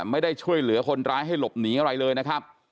ไม่ได้ช่วยเหลือคนร้ายให้หลบหนีอะไรเลยนะครับ